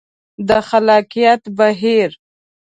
د خلاقیت بهیر